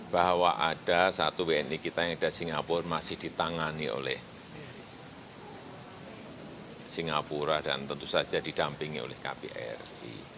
bahwa ada satu wni kita yang ada di singapura masih ditangani oleh singapura dan tentu saja didampingi oleh kbri